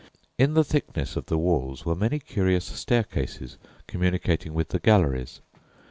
In the thickness of the walls were many curious staircases communicating with the galleries.